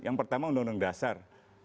yang pertama undang undang dasar